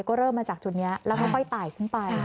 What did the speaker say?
ก็เริ่มมาจากจุดนี้แล้วค่อยไต่ขึ้นไป